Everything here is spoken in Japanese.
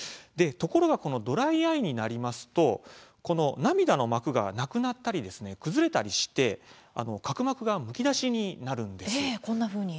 ところが、このドライアイになりますとこの涙の膜がなくなったり崩れたりして角膜がむき出しになるんです。